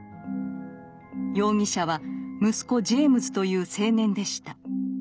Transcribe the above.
容疑者は息子ジェイムズという青年でした。